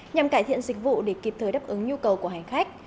nhằm cải thiện dịch vụ để kịp thời đáp ứng nhu cầu của hành khách